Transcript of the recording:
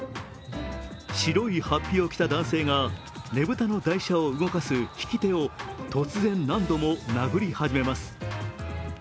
白い法被を着た男性がねぶたの台車を動かす曳き手を突然、何度も殴り始めます。